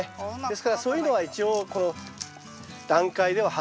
ですからそういうのは一応この段階では外して頂くと。